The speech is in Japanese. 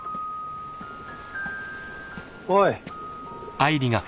おい！